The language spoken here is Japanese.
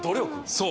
そう。